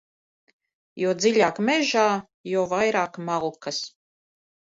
Jo dziļāk mežā, jo vairāk malkas.